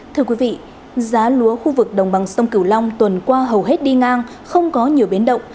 thưa quý vị giá lúa khu vực đồng bằng sông cửu long tuần qua hầu hết đi ngang không có nhiều biến động